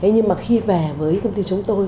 nhưng mà khi về với công ty chúng tôi